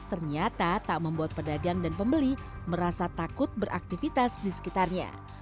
ternyata tak membuat pedagang dan pembeli merasa takut beraktivitas di sekitarnya